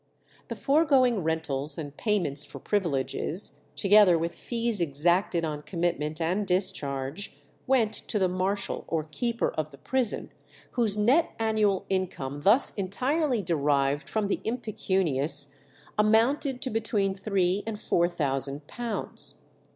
The foregoing rentals and payments for privileges, together with fees exacted on commitment and discharge, went to the marshal or keeper of the prison, whose net annual income thus entirely derived from the impecunious amounted to between three and four thousand pounds.